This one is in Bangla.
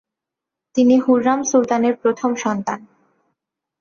তিনি হুররাম সুলতানের প্রথম সন্তান।